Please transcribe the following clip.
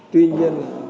tuy nhiên là